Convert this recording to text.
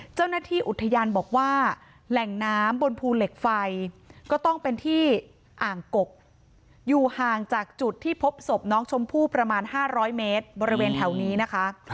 เจ้าหน้าที่อุทยานบอกว่าแหล่งน้ำบนภูเหล็กไฟก็ต้องเป็นที่อ่างกกอยู่ห่างจากจุดที่พบศพน้องชมพู่ประมาณ๕๐๐เมตรบริเวณแถวนี้นะคะ